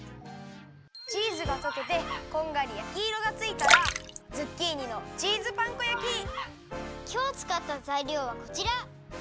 チーズがとけてこんがり焼きいろがついたらきょうつかったざいりょうはこちら。